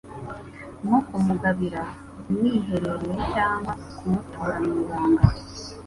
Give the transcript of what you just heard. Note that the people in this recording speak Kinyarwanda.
nko kumugabira mwiherereye cyangwa kumutura mu ibanga